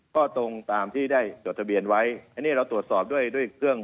ก็ตรงตามที่ได้จดทะเบียนไว้อันนี้เราตรวจสอบด้วยด้วยเครื่อง